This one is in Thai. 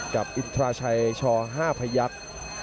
กับอินทราชัยช่อ๕พยัตร